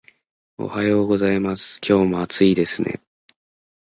おはようございます。今日も暑いですね